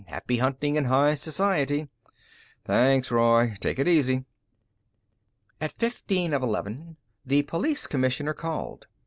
Happy hunting in High Society." "Thanks, Roy. Take it easy." At fifteen of eleven, the Police Commissioner called.